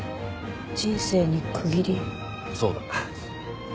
そうだ。